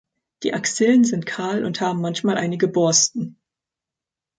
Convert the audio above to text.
Die Axillen sind kahl und haben manchmal einige Borsten.